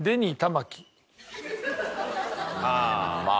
まあまあ。